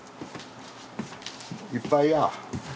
いっぱいや。